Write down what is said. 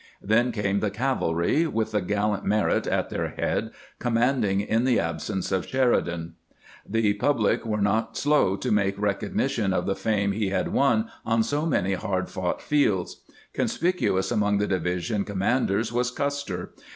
Then came the cavalry, with the gallant Merritt at their head, commanding in the absence of Sheridan. The pubUc were not slow to make recognition of the fame he had won on so many hard fought fields. Conspicu ous among the division commanders was Ouster.